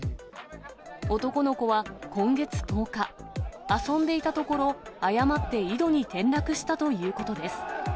男の子は今月１０日、遊んでいたところ、誤って井戸に転落したということです。